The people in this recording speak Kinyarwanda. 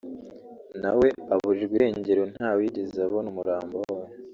nawe aburirwa irengero ntawigeze abona umurambo we